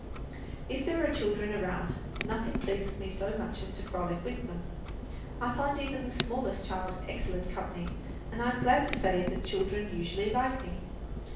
If there are children around, nothing pleases me so much as to frolic with them. I find even the smallest child excellent company, and I am glad to say that children usually like me.